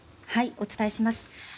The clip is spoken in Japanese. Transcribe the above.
お伝えします。